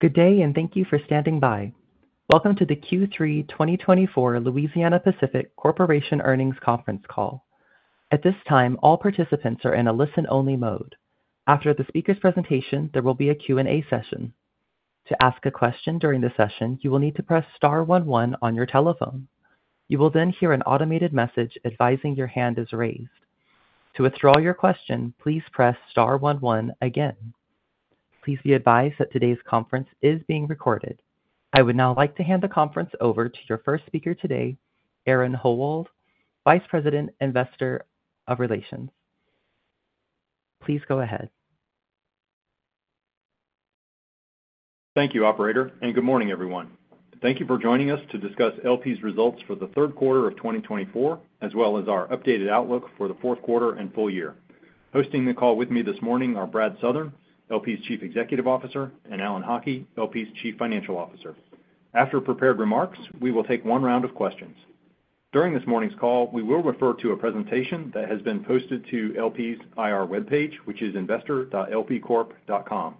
Good day, and thank you for standing by. Welcome to the Q3 2024 Louisiana-Pacific Corporation Earnings Conference Call. At this time, all participants are in a listen-only mode. After the speaker's presentation, there will be a Q&A session. To ask a question during the session, you will need to press star one one on your telephone. You will then hear an automated message advising your hand is raised. To withdraw your question, please press star one one again. Please be advised that today's conference is being recorded. I would now like to hand the conference over to your first speaker today, Aaron Howald, VP, Investor Relations. Please go ahead. Thank you, operator, and good morning, everyone. Thank you for joining us to discuss LP's results for the Q3 of 2024, as well as our updated outlook for the Q3 and full year. Hosting the call with me this morning are Brad Southern, LP's CEO, and Alan Haughie, LP's CFO. After prepared remarks, we will take one round of questions. During this morning's call, we will refer to a presentation that has been posted to LP's IR webpage, which is investor.lpcorp.com.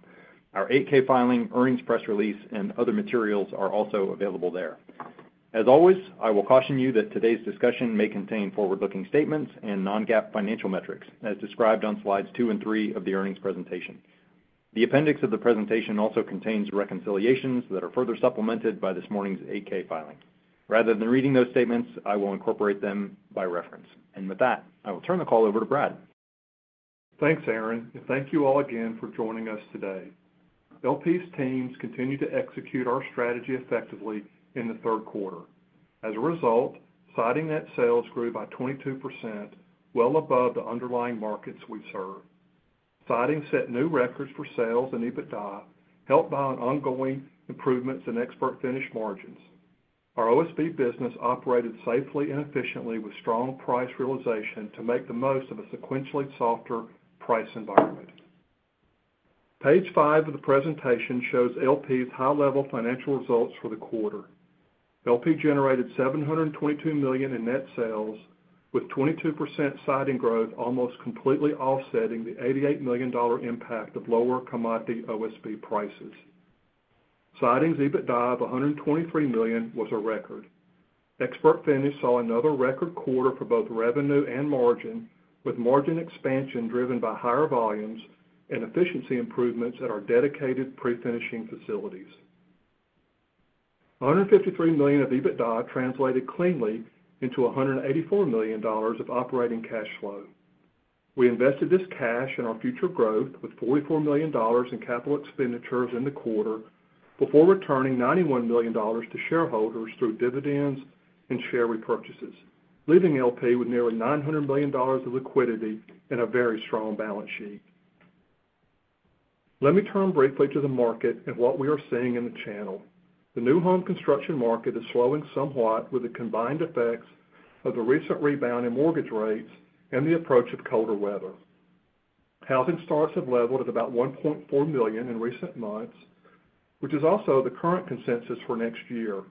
Our 8-K filing, earnings press release, and other materials are also available there. As always, I will caution you that today's discussion may contain forward-looking statements and non-GAAP financial metrics, as described on slides two and three of the earnings presentation. The appendix of the presentation also contains reconciliations that are further supplemented by this morning's 8-K filing. Rather than reading those statements, I will incorporate them by reference. And with that, I will turn the call over to Brad. Thanks, Aaron, and thank you all again for joining us today. LP's teams continue to execute our strategy effectively in the Q3. As a result, Siding net sales grew by 22%, well above the underlying markets we serve. Siding set new records for sales and EBITDA, helped by ongoing improvements in Expert Finish margins. Our OSB business operated safely and efficiently with strong price realization to make the most of a sequentially softer price environment. Page five of the presentation shows LP's high-level financial results for the quarter. LP generated $722 million in net sales, with 22% Siding growth almost completely offsetting the $88 million impact of lower commodity OSB prices. Siding's EBITDA of $123 million was a record. Expert Finish saw another record quarter for both revenue and margin, with margin expansion driven by higher volumes and efficiency improvements at our dedicated pre-finishing facilities. $153 million of EBITDA translated cleanly into $184 million of operating cash flow. We invested this cash and our future growth with $44 million in capital expenditures in the quarter before returning $91 million to shareholders through dividends and share repurchases, leaving LP with nearly $900 million of liquidity and a very strong balance sheet. Let me turn briefly to the market and what we are seeing in the channel. The new home construction market is slowing somewhat with the combined effects of the recent rebound in mortgage rates and the approach of colder weather. Housing starts have leveled at about 1.4 million in recent months, which is also the current consensus for next year,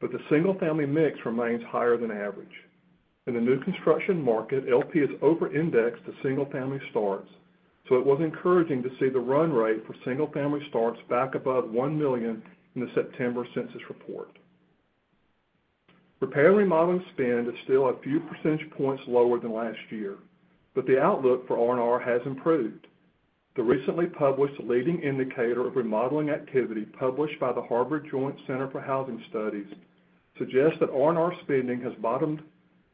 but the single-family mix remains higher than average. In the new construction market, LP has over-indexed the single-family starts, so it was encouraging to see the run rate for single-family starts back above $1 million in the September census report. Repair and Remodeling spend is still a few percentage points lower than last year, but the outlook for R&R has improved. The recently published Leading Indicator of Remodeling Activity published by the Harvard Joint Center for Housing Studies suggests that R&R spending has bottomed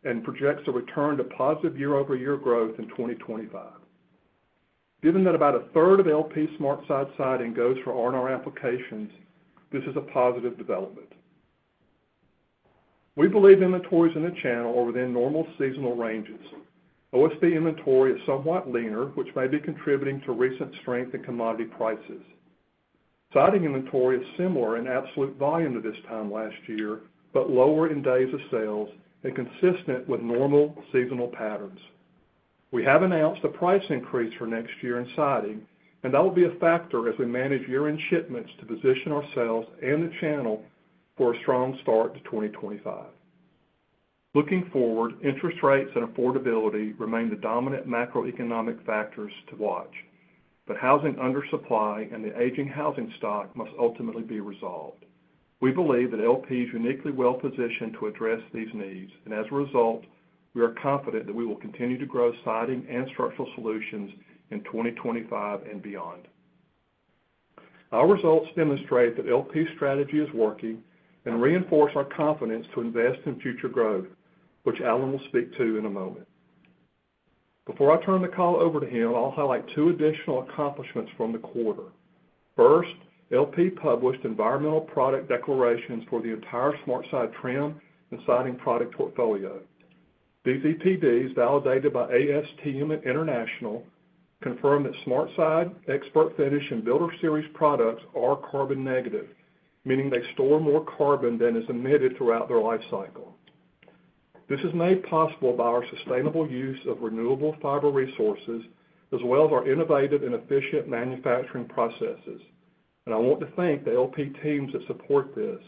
and projects a return to positive year-over-year growth in 2025. Given that about 1/3 of LP SmartSide Siding goes for R&R applications, this is a positive development. We believe inventories in the channel are within normal seasonal ranges. OSB inventory is somewhat leaner, which may be contributing to recent strength in commodity prices. Siding inventory is similar in absolute volume to this time last year, but lower in days of sales and consistent with normal seasonal patterns. We have announced a price increase for next year in Siding, and that will be a factor as we manage year-end shipments to position ourselves and the channel for a strong start to 2025. Looking forward, interest rates and affordability remain the dominant macroeconomic factors to watch, but housing undersupply and the aging housing stock must ultimately be resolved. We believe that LP is uniquely well-positioned to address these needs, and as a result, we are confident that we will continue to grow Siding and Structural Solutions in 2025 and beyond. Our results demonstrate that LP's strategy is working and reinforce our confidence to invest in future growth, which Alan will speak to in a moment. Before I turn the call over to him, I'll highlight two additional accomplishments from the quarter. First, LP published Environmental Product Declarations for the entire SmartSide Trim and Siding product portfolio. EPDs validated by ASTM International confirm that SmartSide Expert Finish and BuilderSeries products are carbon negative, meaning they store more carbon than is emitted throughout their life cycle. This is made possible by our sustainable use of renewable fiber resources, as well as our innovative and efficient manufacturing processes, and I want to thank the LP teams that support this,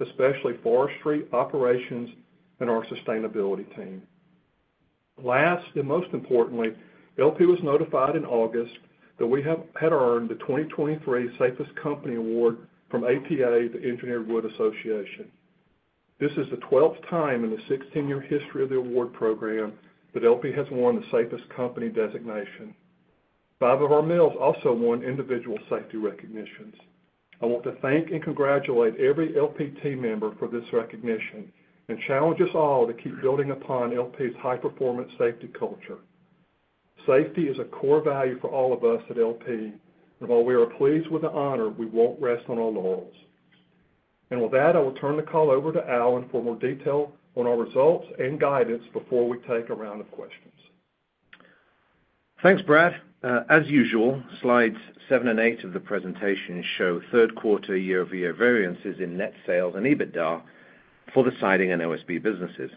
especially Forestry, Operations, and our Sustainability team. Last, and most importantly, LP was notified in August that we had earned the 2023 Safest Company Award from APA, the Engineered Wood Association. This is the 12th time in the 16-year history of the award program that LP has won the Safest Company designation. Five of our mills also won individual safety recognitions. I want to thank and congratulate every LP team member for this recognition and challenge us all to keep building upon LP's high-performance safety culture. Safety is a core value for all of us at LP, and while we are pleased with the honor, we won't rest on our laurels. And with that, I will turn the call over to Alan for more detail on our results and guidance before we take a round of questions. Thanks, Brad. As usual, Slides seven and eight of the presentation show Q3 year-over-year variances in net sales and EBITDA for the Siding and OSB businesses.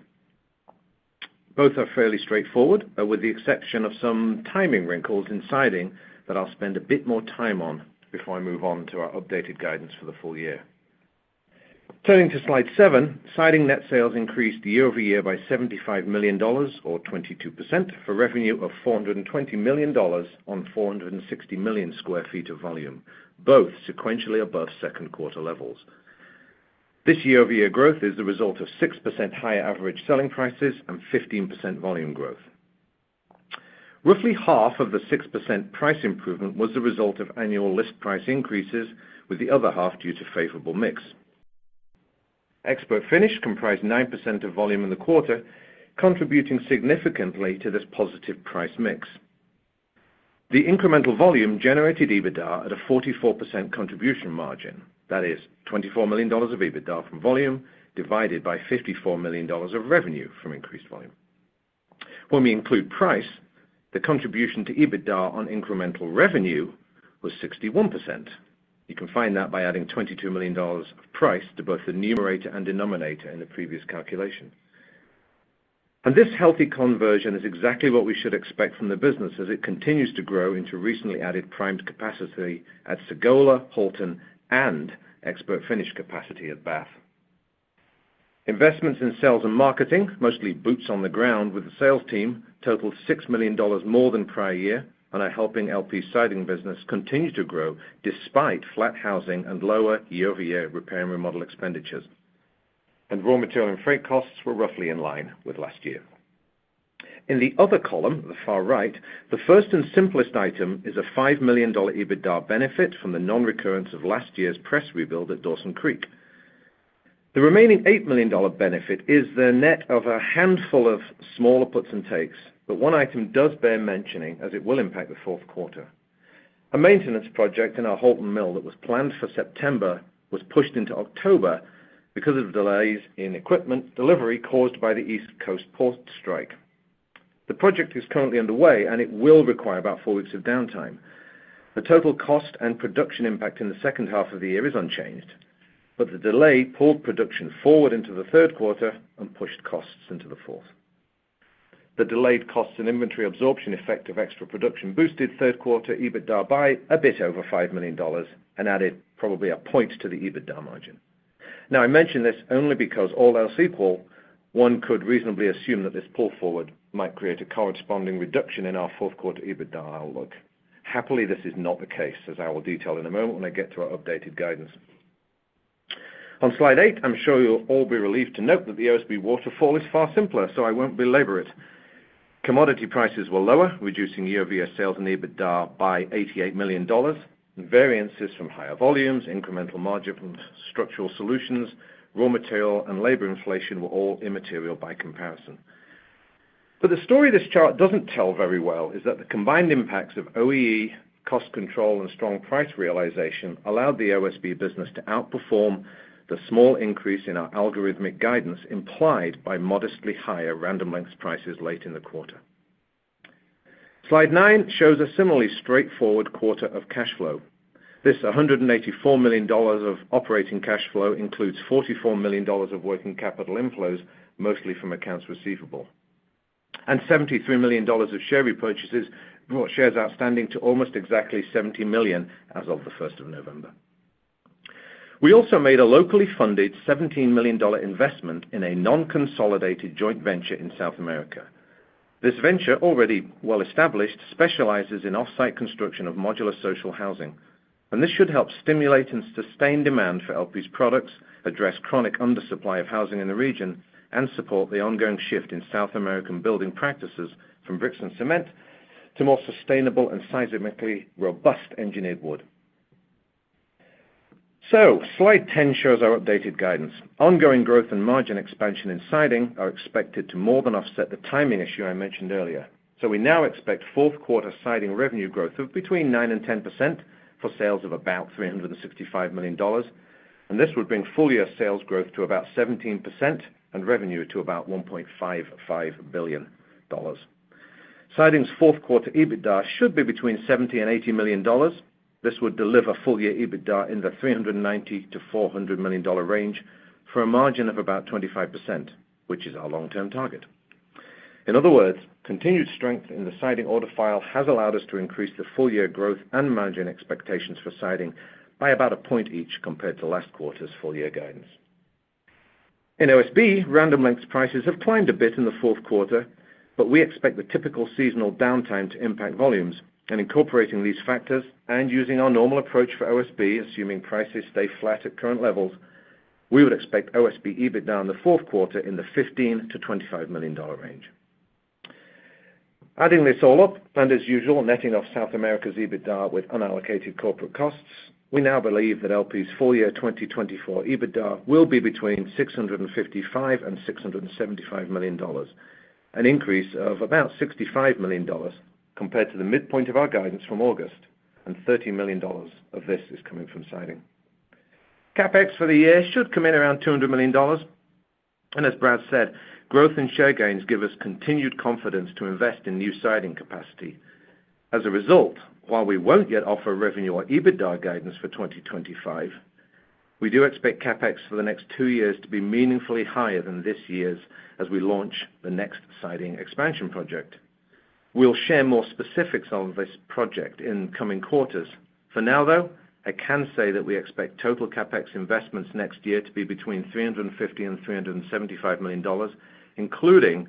Both are fairly straightforward, with the exception of some timing wrinkles in Siding that I'll spend a bit more time on before I move on to our updated guidance for the full year. Turning to Slide seven, Siding net sales increased year-over-year by $75 million, or 22%, for revenue of $420 million on 460 million sq ft of volume, both sequentially above Q2 levels. This year-over-year growth is the result of 6% higher average selling prices and 15% volume growth. Roughly half of the 6% price improvement was the result of annual list price increases, with the other half due to favorable mix. Expert Finish comprised 9% of volume in the quarter, contributing significantly to this positive price mix. The incremental volume generated EBITDA at a 44% contribution margin. That is $24 million of EBITDA from volume divided by $54 million of revenue from increased volume. When we include price, the contribution to EBITDA on incremental revenue was 61%. You can find that by adding $22 million of price to both the numerator and denominator in the previous calculation. This healthy conversion is exactly what we should expect from the business as it continues to grow into recently added primed capacity at Sagola, Houlton, and Expert Finish capacity at Bath. Investments in sales and marketing, mostly boots on the ground with the sales team, totaled $6 million more than prior year and are helping LP's Siding business continue to grow despite flat housing and lower year-over-year repair and remodel expenditures and raw material and freight costs were roughly in line with last year. In the other column, the far right, the first and simplest item is a $5 million EBITDA benefit from the non-recurrence of last year's press rebuild at Dawson Creek. The remaining $8 million benefit is the net of a handful of smaller puts and takes, but one item does bear mentioning as it will impact the Q3. A maintenance project in our Houlton mill that was planned for September was pushed into October because of delays in equipment delivery caused by the East Coast port strike. The project is currently underway, and it will require about four weeks of downtime. The total cost and production impact in the second half of the year is unchanged, but the delay pulled production forward into the Q3 and pushed costs into the fourth. The delayed costs and inventory absorption effect of extra production boosted Q3 EBITDA by a bit over $5 million and added probably a point to the EBITDA margin. Now, I mention this only because all else equal, one could reasonably assume that this pull forward might create a corresponding reduction in our Q4 EBITDA outlook. Happily, this is not the case, as I will detail in a moment when I get to our updated guidance. On Slide eight, I'm sure you'll all be relieved to note that the OSB waterfall is far simpler, so I won't belabor it. Commodity prices were lower, reducing year-over-year sales and EBITDA by $88 million. Variances from higher volumes, incremental margin from structural solutions, raw material, and labor inflation were all immaterial by comparison. But the story this chart doesn't tell very well is that the combined impacts of OEE, cost control, and strong price realization allowed the OSB business to outperform the small increase in our algorithmic guidance implied by modestly higher random length prices late in the quarter. Slide nine shows a similarly straightforward quarter of cash flow. This $184 million of operating cash flow includes $44 million of working capital inflows, mostly from accounts receivable, and $73 million of share repurchases brought shares outstanding to almost exactly $70 million as of the 1st of November. We also made a locally funded $17 million investment in a non-consolidated joint venture in South America. This venture, already well-established, specializes in off-site construction of modular social housing, and this should help stimulate and sustain demand for LP's products, address chronic undersupply of housing in the region, and support the ongoing shift in South American building practices from bricks and cement to more sustainable and seismically robust engineered wood. So Slide 10 shows our updated guidance. Ongoing growth and margin expansion in Siding are expected to more than offset the timing issue I mentioned earlier. So we now expect Q4 Siding revenue growth of between 9%-10% for sales of about $365 million, and this would bring full-year sales growth to about 17% and revenue to about $1.55 billion. Siding's Q4 EBITDA should be between $70 million-$80 million. This would deliver full-year EBITDA in the $390 million-$400 million range for a margin of about 25%, which is our long-term target. In other words, continued strength in the Siding order file has allowed us to increase the full-year growth and margin expectations for Siding by about a point each compared to last quarter's full-year guidance. In OSB, random length prices have climbed a bit in the Q3, but we expect the typical seasonal downtime to impact volumes. Incorporating these factors and using our normal approach for OSB, assuming prices stay flat at current levels, we would expect OSB EBITDA in the Q3 in the $15-$25 million range. Adding this all up, and as usual, netting off South America's EBITDA with unallocated corporate costs, we now believe that LP's full-year 2024 EBITDA will be between $655 million and $675 million, an increase of about $65 million compared to the midpoint of our guidance from August, and $30 million of this is coming from Siding. CapEx for the year should come in around $200 million and as Brad said, growth in share gains give us continued confidence to invest in new Siding capacity. As a result, while we won't yet offer revenue or EBITDA guidance for 2025, we do expect CapEx for the next two years to be meaningfully higher than this year's as we launch the next Siding expansion project. We'll share more specifics on this project in coming quarters. For now, though, I can say that we expect total CapEx investments next year to be between $350 million and $375 million, including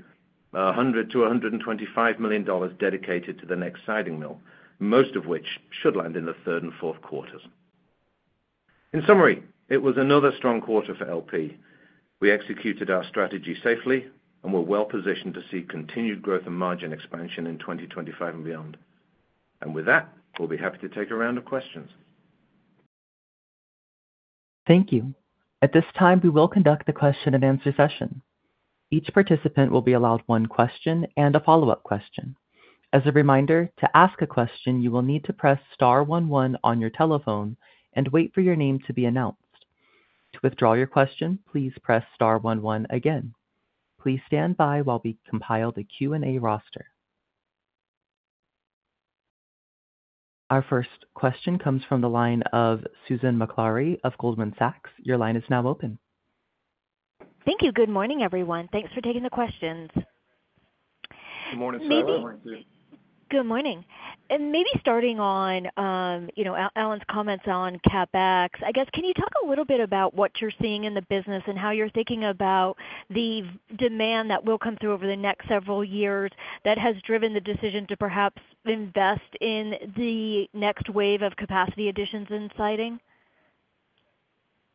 $100 million-$125 million dedicated to the next siding mill, most of which should land in the Q3 and Q4. In summary, it was another strong quarter for LP. We executed our strategy safely and were well-positioned to see continued growth and margin expansion in 2025 and beyond. With that, we'll be happy to take a round of questions. Thank you. At this time, we will conduct the question-and-answer session. Each participant will be allowed one question and a follow-up question. As a reminder, to ask a question, you will need to press star one one on your telephone and wait for your name to be announced. To withdraw your question, please press star one one again. Please stand by while we compile the Q&A roster. Our first question comes from the line of Susan Maklari of Goldman Sachs. Your line is now open. Thank you. Good morning, everyone. Thanks for taking the questions. Good morning, Susan. Maybe.... Good morning and maybe starting on Alan's comments on CapEx, I guess, can you talk a little bit about what you're seeing in the business and how you're thinking about the demand that will come through over the next several years that has driven the decision to perhaps invest in the next wave of capacity additions in Siding?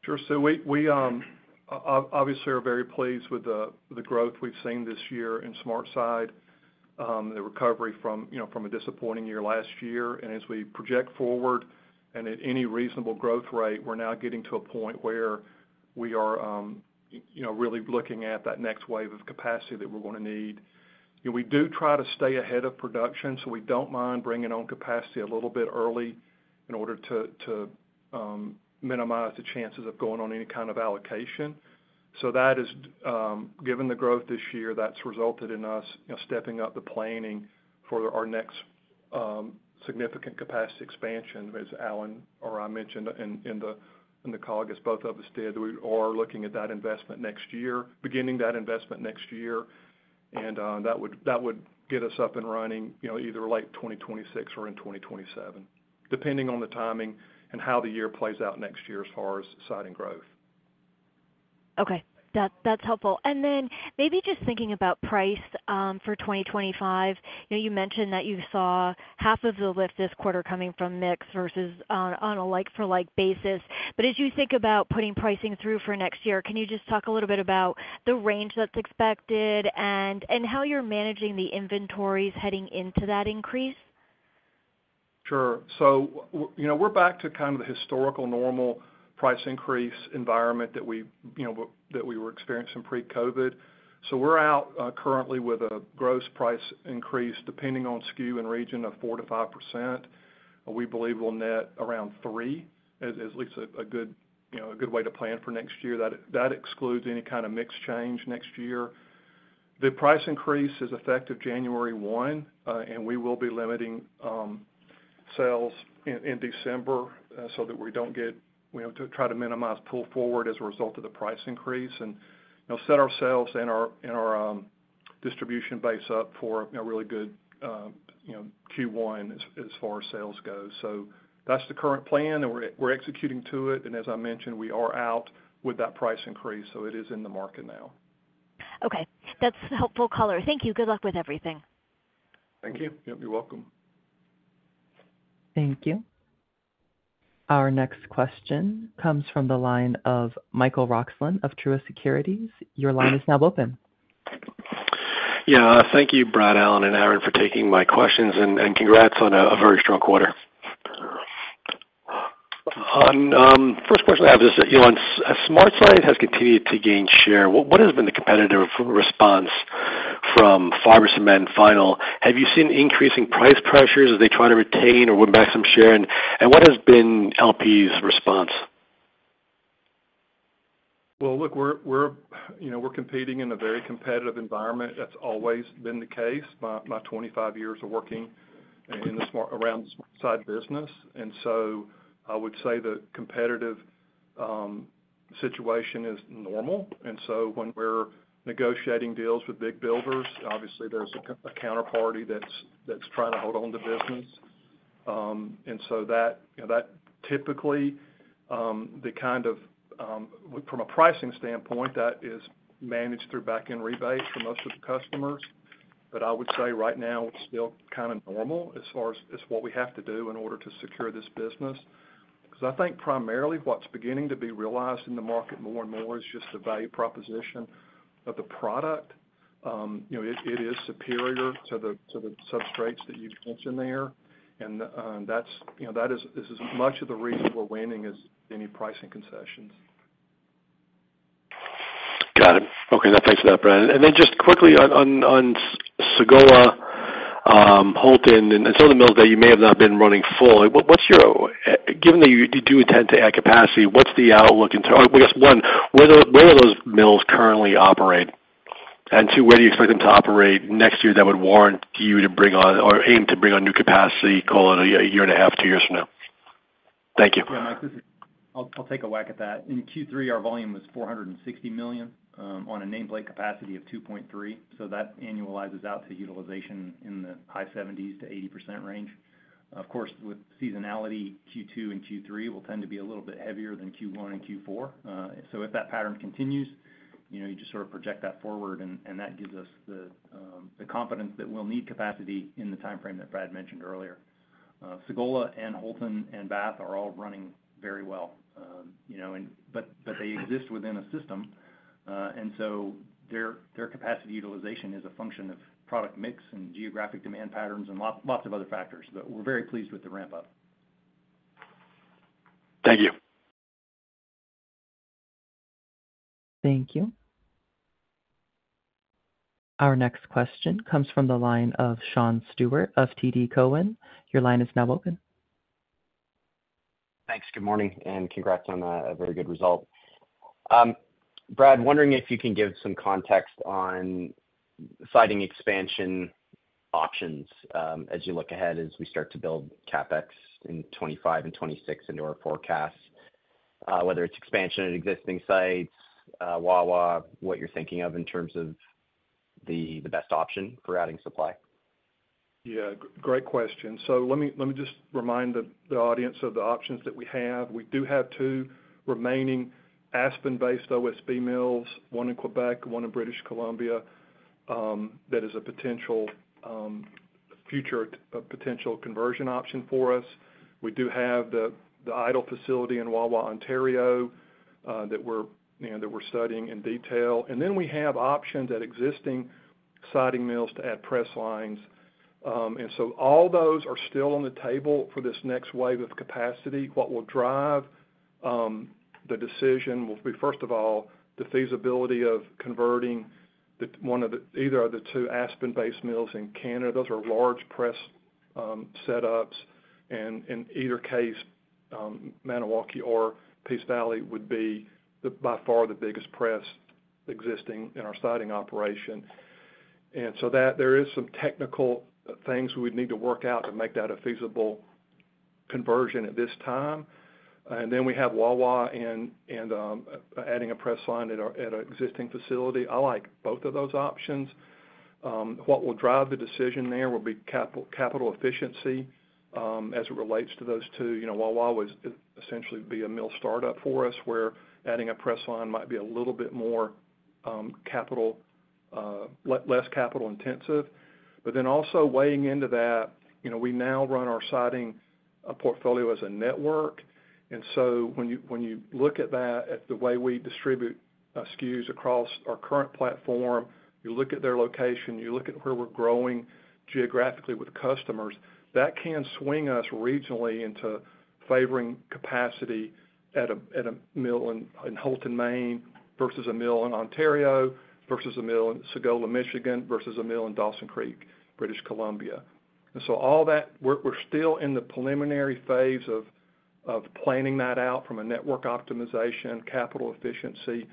Sure. So we obviously are very pleased with the growth we've seen this year in SmartSide, the recovery from a disappointing year last year. And as we project forward and at any reasonable growth rate, we're now getting to a point where we are really looking at that next wave of capacity that we're going to need. We do try to stay ahead of production, so we don't mind bringing on capacity a little bit early in order to minimize the chances of going on any kind of allocation. So that is, given the growth this year, that's resulted in us stepping up the planning for our next significant capacity expansion, as Alan or I mentioned in the call, I guess both of us did. We are looking at that investment next year, beginning that investment next year, and that would get us up and running either late 2026 or in 2027, depending on the timing and how the year plays out next year as far as Siding growth. Okay. That's helpful and then maybe just thinking about price for 2025, you mentioned that you saw half of the lift this quarter coming from mix versus on a like-for-like basis. But as you think about putting pricing through for next year, can you just talk a little bit about the range that's expected and how you're managing the inventories heading into that increase? Sure. So we're back to kind of the historical normal price increase environment that we were experiencing pre-COVID. So we're out currently with a gross price increase, depending on SKU and region, of 4%-5%. We believe we'll net around 3%, as at least a good way to plan for next year. That excludes any kind of mix change next year. The price increase is effective January 1, and we will be limiting sales in December so that we don't get to try to minimize pull forward as a result of the price increase and set ourselves and our distribution base up for a really good Q1 as far as sales go. So that's the current plan, and we're executing to it and as I mentioned, we are out with that price increase, so it is in the market now. Okay. That's helpful color. Thank you. Good luck with everything. Thank you. Yep, you're welcome. Thank you. Our next question comes from the line of Michael Roxland of Truist Securities. Your line is now open. Yeah. Thank you, Brad, Alan, and Aaron for taking my questions, and congrats on a very strong quarter. First question I have is, as SmartSide has continued to gain share, what has been the competitive response from fiber cement and vinyl? Have you seen increasing price pressures as they try to retain or win back some share? And what has been LP's response? Look, we're competing in a very competitive environment, that's always been the case. My 25 years of working around the SmartSide business and so I would say the competitive situation is normal. So when we're negotiating deals big builders, obviously, there's a counterparty that's trying to hold on to business. So that typically, from a pricing standpoint, that is managed through back-end rebates for most of the customers. But I would say right now, it's still kind of normal as far as what we have to do in order to secure this business. Because I think primarily what's beginning to be realized in the market more and more is just the value proposition of the product. It is superior to the substrates that you mentioned there and that is as much of the reason we're winning as any pricing concessions. Got it. Okay. That picks it up, Brad. And then just quickly on Sagola, Houlton, and some of the mills that you may have not been running full. Given that you do intend to add capacity, what's the outlook? I guess, one, where do those mills currently operate? And two, where do you expect them to operate next year that would warrant you to bring on or aim to bring on new capacity, call it a year and a half, two years from now? Thank you. Yeah. I'll take a whack at that. In Q3, our volume was 460 million on a nameplate capacity of 2.3. So that annualizes out to utilization in the high 70s-80% range. Of course, with seasonality, Q2 and Q3 will tend to be a little bit heavier than Q1 and Q4. So if that pattern continues, you just sort of project that forward, and that gives us the confidence that we'll need capacity in the timeframe that Brad mentioned earlier. Sagola and Houlton and Bath are all running very well. But they exist within a system. And so their capacity utilization is a function of product mix and geographic demand patterns and lots of other factors. But we're very pleased with the ramp-up. Thank you. Thank you. Our next question comes from the line of Sean Steuart, TD Cowen. Your line is now open. Thanks. Good morning, and congrats on a very good result. Brad, wondering if you can give some context on Siding expansion options as you look ahead as we start to build CapEx in 2025 and 2026 into our forecasts, whether it's expansion at existing sites, Wawa, what you're thinking of in terms of the best option for adding supply. Yeah. Great question. So let me just remind the audience of the options that we have. We do have two remaining Aspen-based OSB mills, one in Quebec, one in British Columbia, that is a potential future conversion option for us. We do have the idle facility in Wawa, Ontario, that we're studying in detail. And then we have options at existing Siding mills to add press lines and so all those are still on the table for this next wave of capacity. What will drive the decision will be, first of all, the feasibility of converting either of the two Aspen-based mills in Canada. Those are large press setups and in either case, Maniwaki or Peace Valley would be by far the biggest press existing in our Siding operation. So there are some technical things we would need to work out to make that a feasible conversion at this time. And then we have Wawa and adding a press line at an existing facility. I like both of those options. What will drive the decision there will be capital efficiency as it relates to those two. Wawa would essentially be a mill startup for us, where adding a press line might be a little bit less capital intensive. But then also weighing into that, we now run our Siding portfolio as a network. And so when you look at that, at the way we distribute SKUs across our current platform, you look at their location, you look at where we're growing geographically with customers, that can swing us regionally into favoring capacity at a mill in Houlton, Maine, versus a mill in Ontario, versus a mill in Sagola, Michigan, versus a mill in Dawson Creek, British Columbia. And so all that, we're still in the preliminary phase of planning that out from a network optimization, capital efficiency.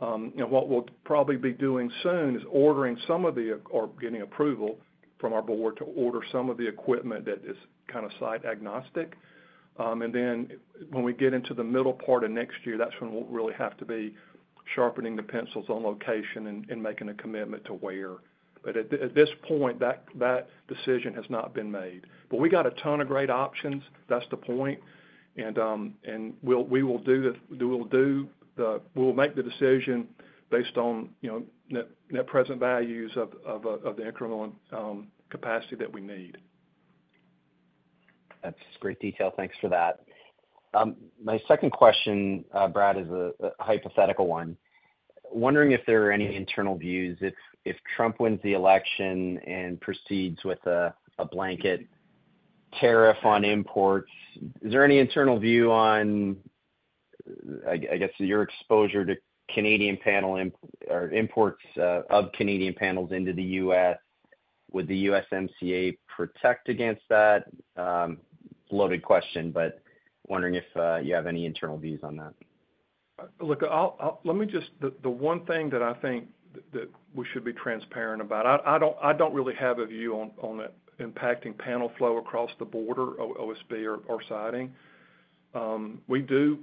And what we'll probably be doing soon is ordering some of the or getting approval from our board to order some of the equipment that is kind of site-agnostic. And then when we get into the middle part of next year, that's when we'll really have to be sharpening the pencils on location and making a commitment to where. But at this point, that decision has not been made. But we got a ton of great options. That's the point. And we will make the decision based on the present values of the incremental capacity that we need. That's great detail. Thanks for that. My second question, Brad, is a hypothetical one. Wondering if there are any internal views. If Trump wins the election and proceeds with a blanket tariff on imports, is there any internal view on, I guess, your exposure to Canadian panel or imports of Canadian panels into the U.S.? Would the USMCA protect against that? Loaded question, but wondering if you have any internal views on that. Look, let me just the one thing that I think that we should be transparent about. I don't really have a view on it impacting panel flow across the border, OSB or Siding. We do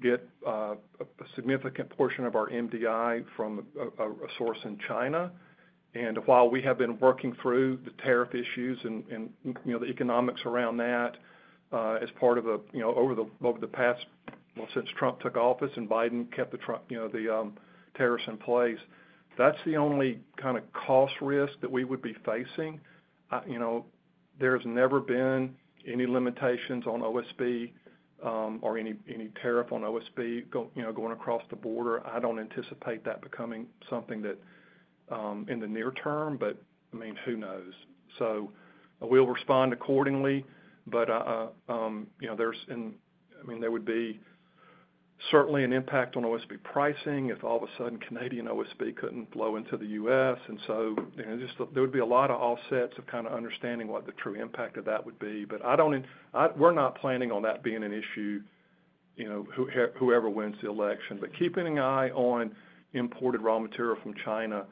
get a significant portion of our MDI from a source in China. And while we have been working through the tariff issues and the economics around that as part of over the past, well, since Trump took office and Biden kept the tariffs in place, that's the only kind of cost risk that we would be facing. There's never been any limitations on OSB or any tariff on OSB going across the border. I don't anticipate that becoming something that in the near term, but I mean, who knows? So we'll respond accordingly. But there's, I mean, there would be certainly an impact on OSB pricing if all of a sudden Canadian OSB couldn't flow into the U.S. And so there would be a lot of offsets of kind of understanding what the true impact of that would be. But we're not planning on that being an issue, whoever wins the election. But keeping an eye on imported raw material from China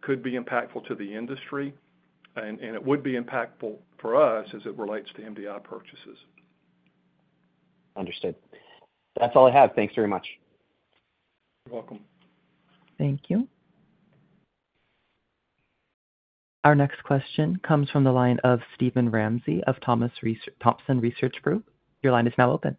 could be impactful to the industry. And it would be impactful for us as it relates to MDI purchases. Understood. That's all I have. Thanks very much. You're welcome. Thank you. Our next question comes from the line of Steven Ramsey of Thompson Research Group. Your line is now open.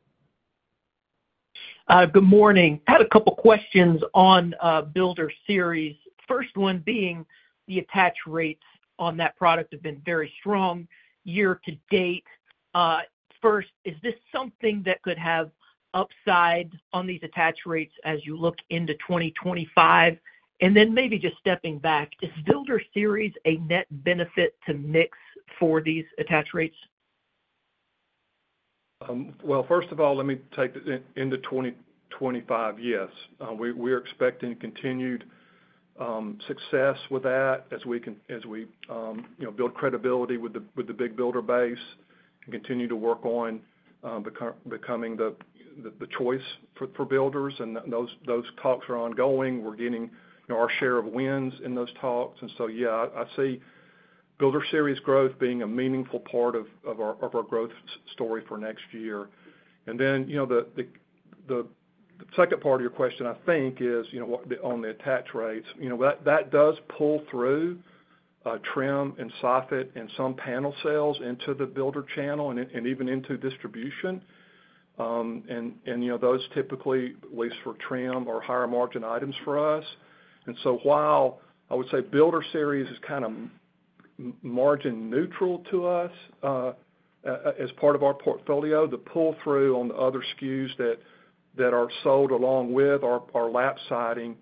Good morning. I had a couple of questions on BuilderSeries. First one being the attach rates on that product have been very strong year-to-date. First, is this something that could have upside on these attach rates as you look into 2025? And then maybe just stepping back, is BuilderSeries a net benefit to mix for these attach rates? Well, first of all, let me take into 2025, yes. We're expecting continued success with that as we build credibility with the big builder base and continue to work on becoming the choice for builders. And those talks are ongoing. We're getting our share of wins in those talks. And so, yeah, I see BuilderSeries growth being a meaningful part of our growth story for next year. And then the second part of your question, I think, is on the attach rates. That does pull through trim and soffit and some panel sales into the builder channel and even into distribution. And those typically, at least for trim or higher margin items for us. And so while I would say BuilderSeries is kind of margin neutral to us as part of our portfolio, the pull-through on the other SKUs that are sold along with our Lap Siding,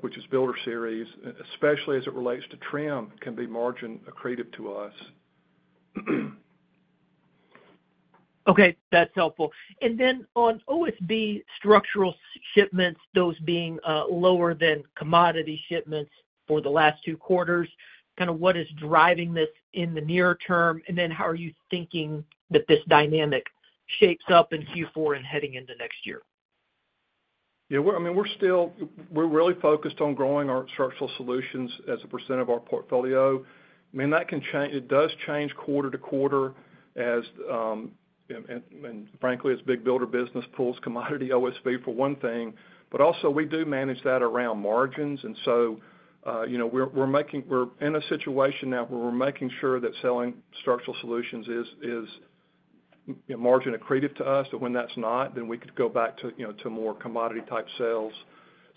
which is BuilderSeries, especially as it relates to trim, can be margin accretive to us. Okay. That's helpful. And then on OSB structural shipments, those being lower than commodity shipments for the last two quarters, kind of what is driving this in the near term? And then how are you thinking that this dynamic shapes up in Q4 and heading into next year? Yeah. I mean, we're really focused on growing our Structural Solutions as a percent of our portfolio. I mean, that can change. It does change quarter-to-quarter and frankly, as Big Builder business pulls commodity OSB for one thing. But also, we do manage that around margins and so we're in a situation now where we're making sure that selling Structural Solutions is margin accretive to us. When that's not, then we could go back to more commodity-type sales.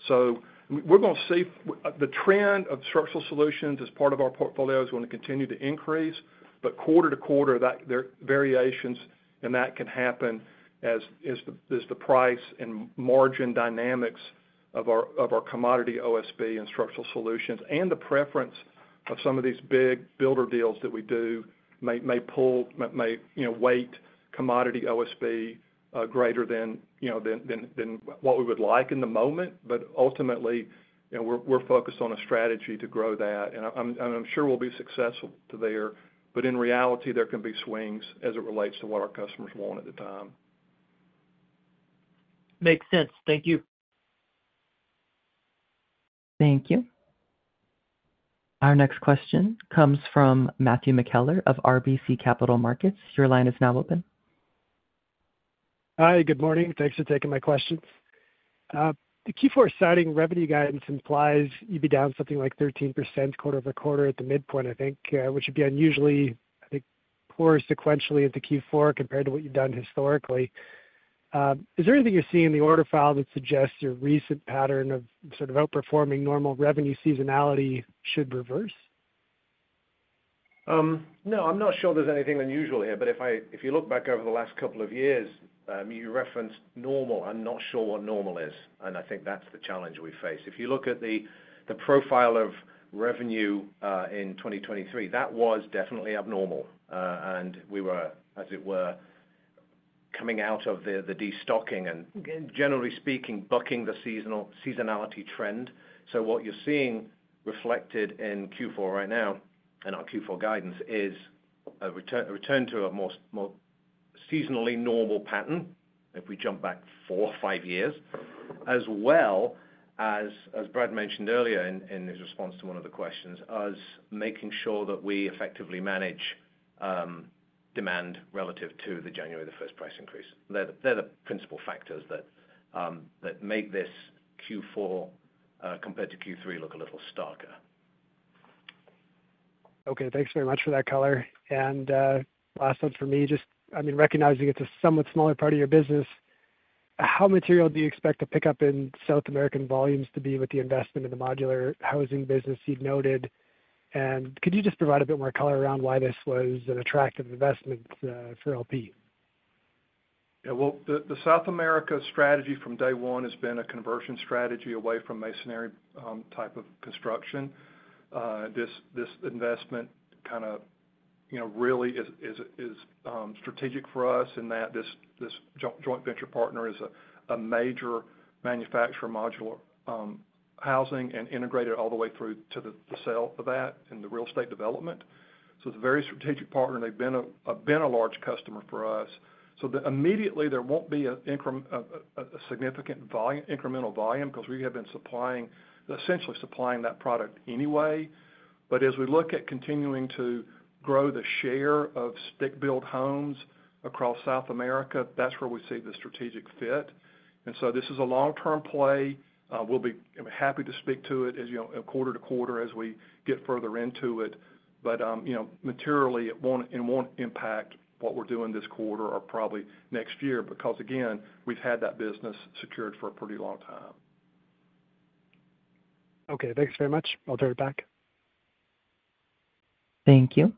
So we're going to see the trend of Structural Solutions as part of our portfolio is going to continue to increase. But quarter-to-quarter, there are variations, and that can happen as the price and margin dynamics of our commodity OSB and Structural Solutions and the preference of some of these big builder deals that we do may pull, may weigh commodity OSB greater than what we would like in the moment. But ultimately, we're focused on a strategy to grow that and I'm sure we'll be successful there. But in reality, there can be swings as it relates to what our customers want at the time. Makes sense. Thank you. Thank you. Our next question comes from Matthew McKellar of RBC Capital Markets. Your line is now open. Hi. Good morning. Thanks for taking my question. The Q4 Siding revenue guidance implies you'd be down something like 13% quarter-over-quarter at the midpoint, I think, which would be unusually, I think, poor sequentially into Q4 compared to what you've done historically. Is there anything you're seeing in the order file that suggests your recent pattern of sort of outperforming normal revenue seasonality should reverse? No. I'm not sure there's anything unusual here. But if you look back over the last couple of years, you referenced normal. I'm not sure what normal is. And I think that's the challenge we face. If you look at the profile of revenue in 2023, that was definitely abnormal. And we were, as it were, coming out of the destocking and, generally speaking, bucking the seasonality trend. So what you're seeing reflected in Q4 right now and on Q4 guidance is a return to a more seasonally normal pattern if we jump back four or five years, as well as, as Brad mentioned earlier in his response to one of the questions, us making sure that we effectively manage demand relative to the January the first price increase. They're the principal factors that make this Q4 compared to Q3 look a little starker. Okay. Thanks very much for that color and last one for me, just, I mean, recognizing it's a somewhat smaller part of your business, how material do you expect the pickup in South American volumes to be with the investment in the Modular Housing business you'd noted? And could you just provide a bit more color around why this was an attractive investment for LP? Yeah. Well, the South America strategy from day one has been a conversion strategy away from masonry type of construction. This investment kind of really is strategic for us in that this joint venture partner is a major manufacturer of modular housing and integrated all the way through to the sale of that and the real estate development. So it's a very strategic partner. They've been a large customer for us. So immediately, there won't be a significant incremental volume because we have been essentially supplying that product anyway. But as we look at continuing to grow the share of stick-built homes across South America, that's where we see the strategic fit. So this is a long-term play. We'll be happy to speak to it quarter-to-quarter as we get further into it. But materially, it won't impact what we're doing this quarter or probably next year because, again, we've had that business secured for a pretty long time. Okay. Thanks very much. I'll turn it back. Thank you.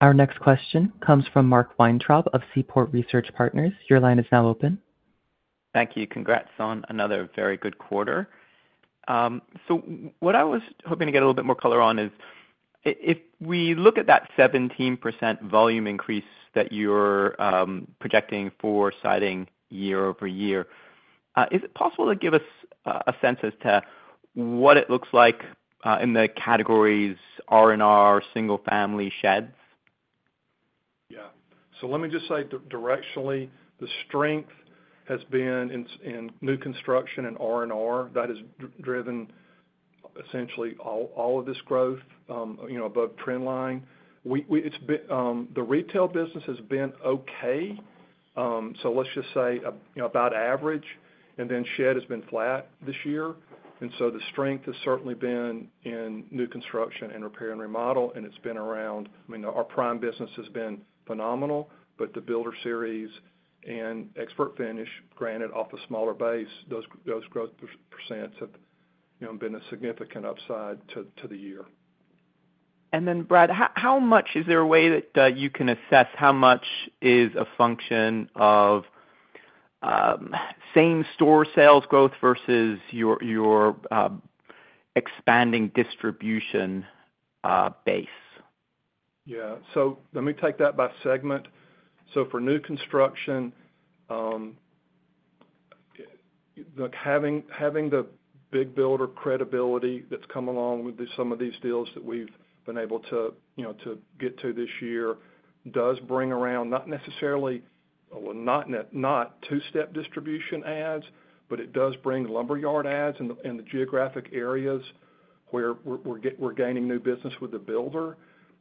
Our next question comes from Mark Weintraub of Seaport Research Partners. Your line is now open. Thank you. Congrats on another very good quarter. So what I was hoping to get a little bit more color on is if we look at that 17% volume increase that you're projecting for Siding year-over-year, is it possible to give us a sense as to what it looks like in the categories R&R, single-family sheds? Yeah. So let me just say directionally, the strength has been in new construction and R&R. That has driven essentially all of this growth above trend line. The Retail business has been okay. So let's just say about average and then Shed has been flat this year. And so the strength has certainly been in new Construction and Repair and Remodel and it's been around, I mean, our Prime business has been phenomenal. But the BuilderSeries and Expert Finish, granted, off a smaller base, those growth percents have been a significant upside to the year. And then, Brad, how much is there a way that you can assess how much is a function of same store sales growth versus your expanding distribution base? Yeah. So let me take that by segment. So for new construction, having the big builder credibility that's come along with some of these deals that we've been able to get to this year does bring around not necessarily two-step distribution adds, but it does bring lumber yard adds in the geographic areas where we're gaining new business with the builder.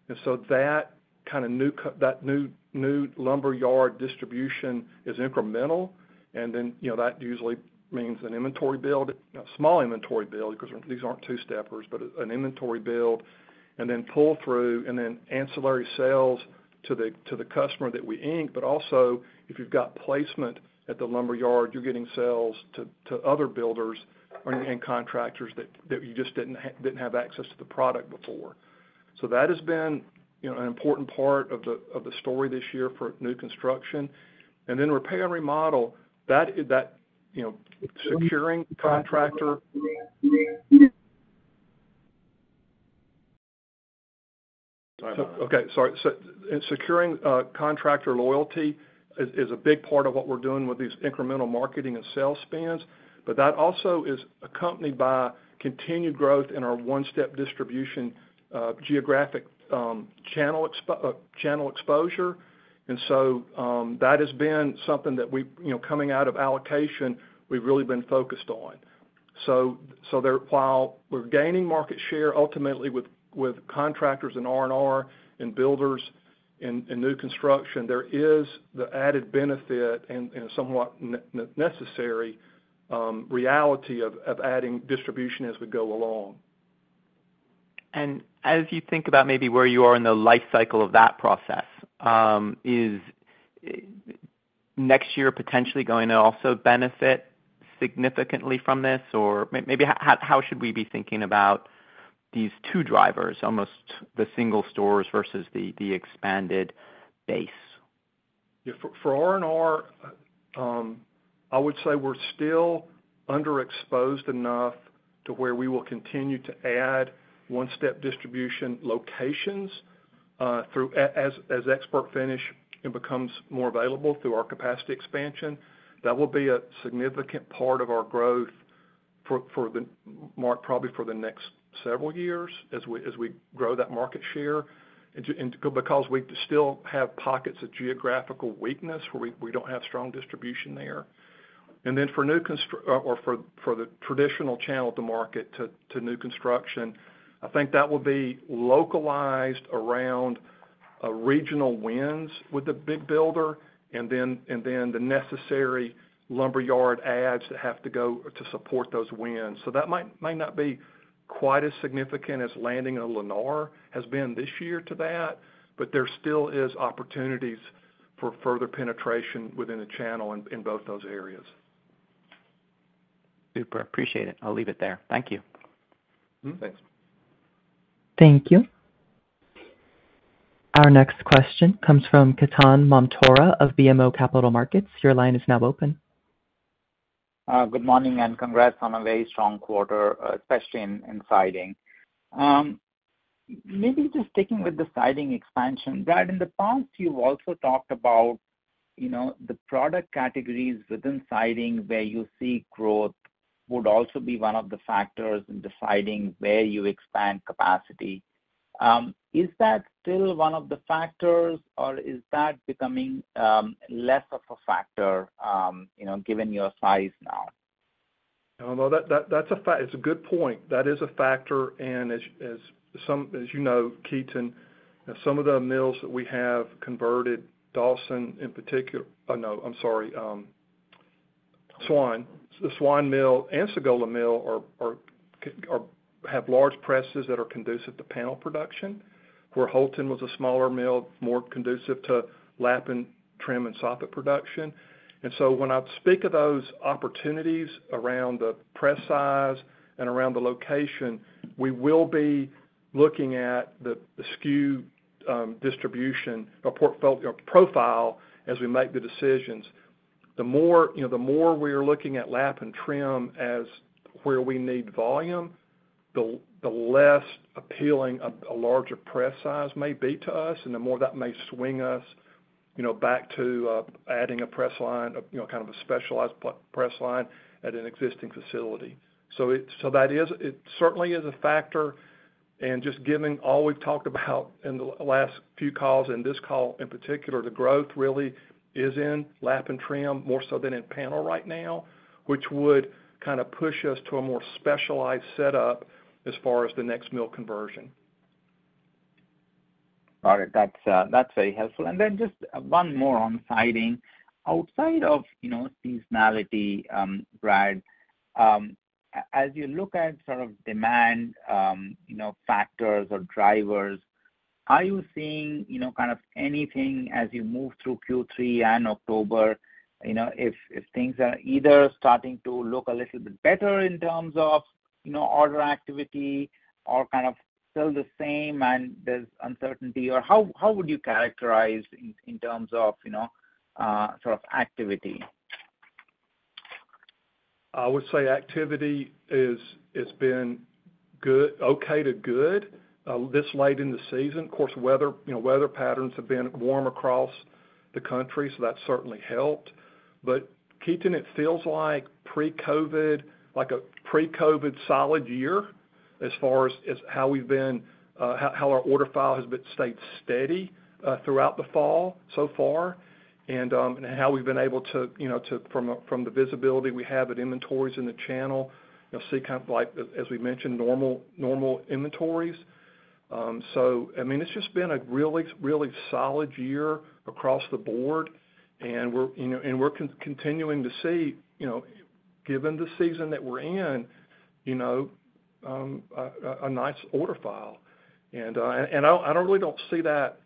And so that kind of new lumber yard distribution is incremental. And then that usually means an inventory build, a small inventory build because these aren't two-steppers, but an inventory build, and then pull-through, and then ancillary sales to the customer that we ink. But also, if you've got placement at the lumber yard, you're getting sales to other builders and contractors that you just didn't have access to the product before. So that has been an important part of the story this year for new construction and then Repair and Remodel, that securing contractor. Sorry. Okay. Sorry. Securing contractor loyalty is a big part of what we're doing with these incremental marketing and sales spans, but that also is accompanied by continued growth in our one-step distribution geographic channel exposure, and so that has been something that, coming out of allocation, we've really been focused on, so while we're gaining market share, ultimately, with contractors and R&R and builders and new construction, there is the added benefit and somewhat necessary reality of adding distribution as we go along. As you think about maybe where you are in the life cycle of that process, is next year potentially going to also benefit significantly from this? Or maybe how should we be thinking about these two drivers, almost the single stores versus the expanded base? Yeah. For R&R, I would say we're still underexposed enough to where we will continue to add one-step distribution locations as Expert Finish becomes more available through our capacity expansion. That will be a significant part of our growth for probably the next several years as we grow that market share because we still have pockets of geographical weakness where we don't have strong distribution there. Then for new or for the traditional channel to market to new construction, I think that will be localized around regional wins with the big builder and then the necessary lumber yard adds that have to go to support those wins. So that might not be quite as significant as landing a Lennar has been this year to that. But there still is opportunities for further penetration within the channel in both those areas. Super. Appreciate it. I'll leave it there. Thank you. Thanks. Thank you. Our next question comes from Ketan Mamtora of BMO Capital Markets. Your line is now open. Good morning and congrats on a very strong quarter, especially in Siding. Maybe just sticking with the Siding expansion. Brad, in the past, you've also talked about the product categories within Siding where you see growth would also be one of the factors in deciding where you expand capacity. Is that still one of the factors, or is that becoming less of a factor given your size now? That's a good point. That is a factor. As you know, Ketan, some of the mills that we have converted, Dawson in particular, no, I'm sorry, Swan, the Swan Mill and Sagola Mill have large presses that are conducive to panel production, where Houlton was a smaller mill, more conducive to lap and trim and soffit production. When I speak of those opportunities around the press size and around the location, we will be looking at the SKU distribution or profile as we make the decisions. The more we are looking at lap and trim as where we need volume, the less appealing a larger press size may be to us, and the more that may swing us back to adding a press line, kind of a specialized press line at an existing facility. That certainly is a factor. Just given all we've talked about in the last few calls and this call in particular, the growth really is in lap and trim more so than in panel right now, which would kind of push us to a more specialized setup as far as the next mill conversion. Got it. That's very helpful. And then just one more on Siding. Outside of seasonality, Brad, as you look at sort of demand factors or drivers, are you seeing kind of anything as you move through Q3 and October? If things are either starting to look a little bit better in terms of order activity or kind of still the same and there's uncertainty, how would you characterize in terms of sort of activity? I would say activity has been okay to good this late in the season. Of course, weather patterns have been warm across the country, so that certainly helped. But Ketan, it feels like pre-COVID, like a pre-COVID solid year as far as how we've been, how our order file has stayed steady throughout the fall so far and how we've been able to, from the visibility we have at inventories in the channel, see kind of, as we mentioned, normal inventories. So I mean, it's just been a really, really solid year across the board. And we're continuing to see, given the season that we're in, a nice order file. And I really don't see that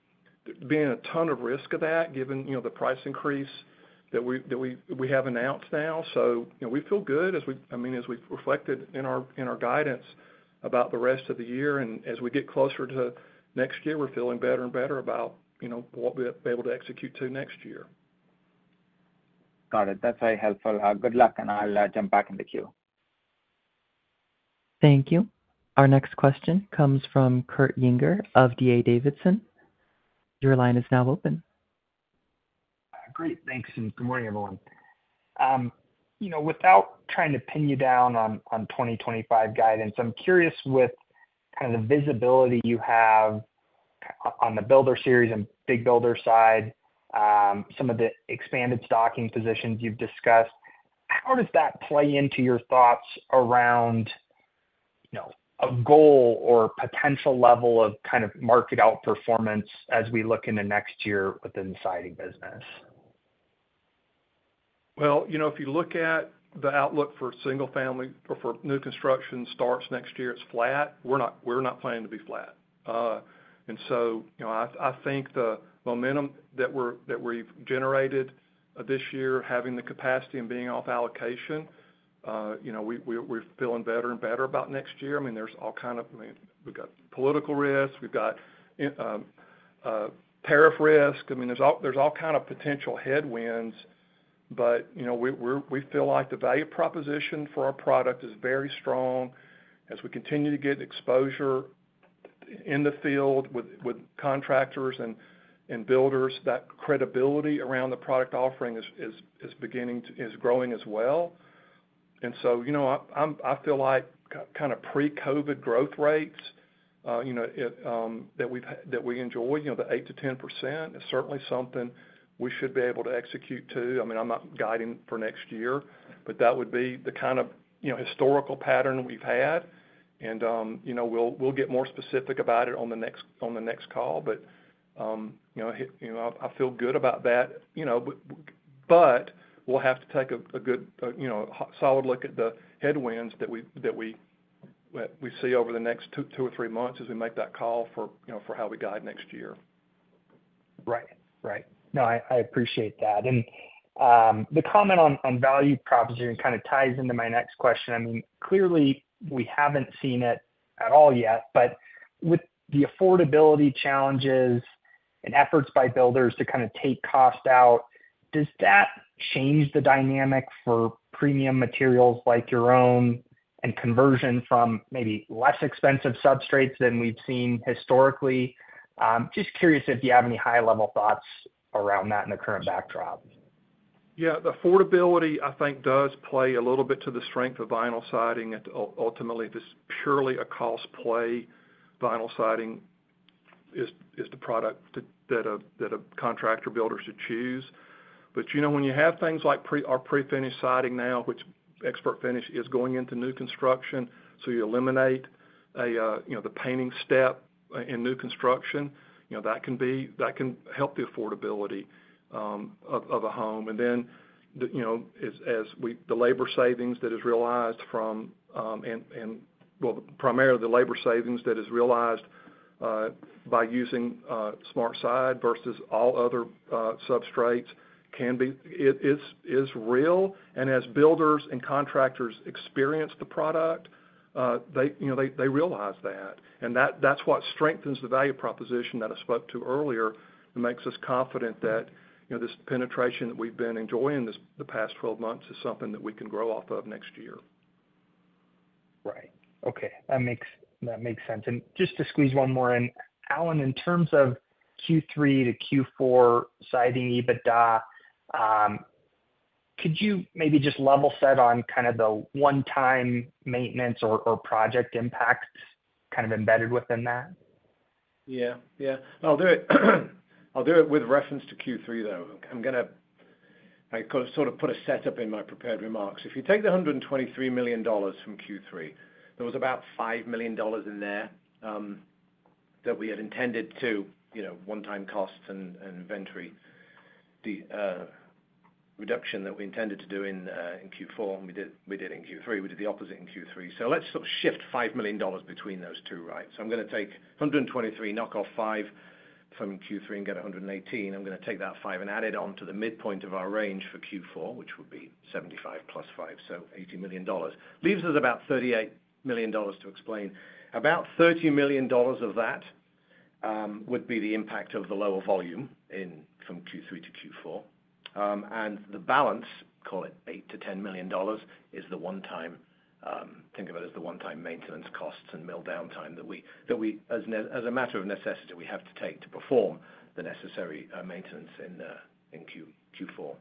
being a ton of risk of that, given the price increase that we have announced now. So we feel good, I mean, as we've reflected in our guidance about the rest of the year. As we get closer to next year, we're feeling better and better about what we'll be able to execute to next year. Got it. That's very helpful. Good luck, and I'll jump back in the queue. Thank you. Our next question comes from Kurt Yinger of DA Davidson. Your line is now open. Great. Thanks and good morning, everyone. Without trying to pin you down on 2025 guidance, I'm curious with kind of the visibility you have on the BuilderSeries and Big Builder side, some of the expanded stocking positions you've discussed. How does that play into your thoughts around a goal or potential level of kind of market outperformance as we look into next year within the Siding business? If you look at the outlook for single-family or for new construction starts next year, it's flat. We're not planning to be flat. And so I think the momentum that we've generated this year, having the capacity and being off allocation, we're feeling better and better about next year. I mean, there's all kind of, I mean, we've got political risk. We've got tariff risk. I mean, there's all kind of potential headwinds. But we feel like the value proposition for our product is very strong. As we continue to get exposure in the field with contractors and builders, that credibility around the product offering is growing as well. So I feel like kind of pre-COVID growth rates that we enjoy, the 8%-10%, is certainly something we should be able to execute too. I mean, I'm not guiding for next year, but that would be the kind of historical pattern we've had and we'll get more specific about it on the next call. I feel good about that, but we'll have to take a good, solid look at the headwinds that we see over the next two or three months as we make that call for how we guide next year. Right. Right. No, I appreciate that. And the comment on value proposition kind of ties into my next question. I mean, clearly, we haven't seen it at all yet. But with the affordability challenges and efforts by builders to kind of take cost out, does that change the dynamic for premium materials like your own and conversion from maybe less expensive substrates than we've seen historically? Just curious if you have any high-level thoughts around that in the current backdrop. Yeah. The affordability, I think, does play a little bit to the strength of vinyl siding. Ultimately, this is purely a cost play. Vinyl siding is the product that a contractor builder should choose. But when you have things like our pre-finish Siding now, which Expert Finish is going into new construction, so you eliminate the painting step in new construction, that can help the affordability of a home. And then the labor savings that is realized from, well, primarily the labor savings that is realized by using SmartSide versus all other substrates is real. As builders and contractors experience the product, they realize that. And that's what strengthens the value proposition that I spoke to earlier and makes us confident that this penetration that we've been enjoying the past 12 months is something that we can grow off of next year. Right. Okay. That makes sense. Just to squeeze one more in, Alan, in terms of Q3 to Q4 Siding EBITDA, could you maybe just level set on kind of the one-time maintenance or project impacts kind of embedded within that? Yeah. Yeah. I'll do it with reference to Q3, though. I'm going to sort of put a setup in my prepared remarks. If you take the $123 million from Q3, there was about $5 million in there that we had intended to one-time costs and inventory reduction that we intended to do in Q4. We did in Q3. We did the opposite in Q3. So let's sort of shift $5 million between those two, right? So I'm going to take 123, knock off 5 from Q3 and get 118. I'm going to take that 5 and add it on to the midpoint of our range for Q4, which would be 75 plus 5, so $80 million. Leaves us about $38 million to explain. About $30 million of that would be the impact of the lower volume from Q3 to Q4. And the balance, call it $8 million-$10 million, is the one-time think of it as the one-time maintenance costs and mill downtime that we, as a matter of necessity, have to take to perform the necessary maintenance in Q4.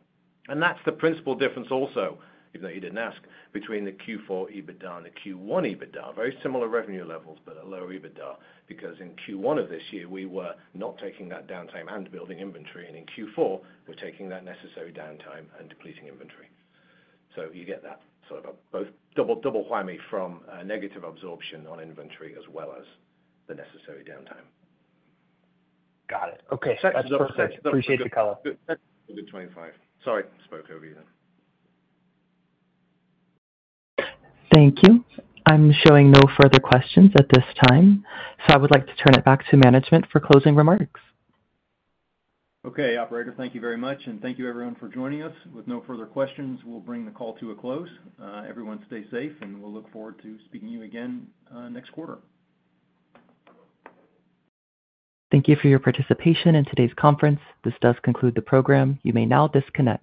And that's the principal difference also, even though you didn't ask, between the Q4 EBITDA and the Q1 EBITDA. Very similar revenue levels, but a lower EBITDA because in Q1 of this year, we were not taking that downtime and building inventory and in Q4, we're taking that necessary downtime and depleting inventory. So you get that sort of a double whammy from negative absorption on inventory as well as the necessary downtime. Got it. Okay. That's perfect, appreciate the color. The 2025. Sorry, spoke over you there. Thank you. I'm showing no further questions at this time. So I would like to turn it back to management for closing remarks. Okay. Operator, thank you very much. And thank you, everyone, for joining us. With no further questions, we'll bring the call to a close. Everyone, stay safe, and we'll look forward to speaking to you again next quarter. Thank you for your participation in today's conference. This does conclude the program. You may now disconnect.